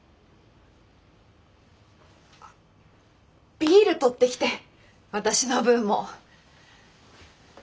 ビール取ってきて私の分も。